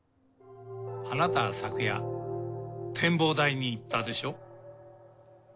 あなたは昨夜展望台に行ったでしょう。